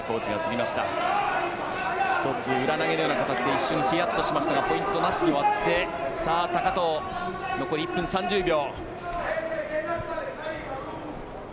裏投げのような形でヒヤッとしましたがポイントなしにおわって高藤、残り１分３０秒。